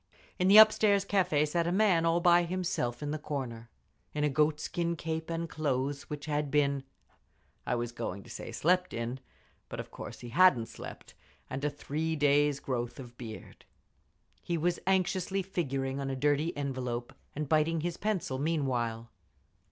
In the upstairs cafe sat a man all by himself in the corner, in a goat skin cape and clothes which had been—I was going to say "slept in," but of course he hadn't slept—and a three days' growth of beard. He was anxiously figuring on a dirty envelope, and biting his pencil meanwhile.